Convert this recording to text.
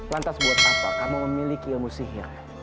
lantas buat apa kamu memiliki ilmu sihir